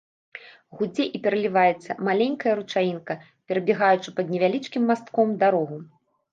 Гудзе і пераліваецца маленькая ручаінка, перабягаючы пад невялічкім мастком дарогу.